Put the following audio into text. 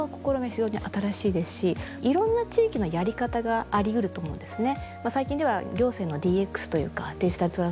非常に新しいですしいろんな地域のやり方がありうると思うんですね。